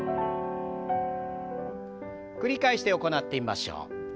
繰り返して行ってみましょう。